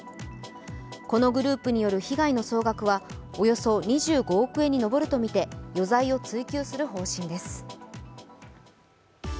このグループによる被害の総額はおよそ２５億円に上るとみて余罪を追及する方針です。